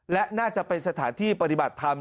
และน่าจะเป็นสถานที่ปฏิบัติธรรม